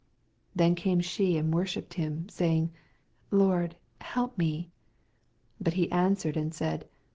25 Then came she and worshipped him, saying, Lord, help me. 26 Bat he answered and said.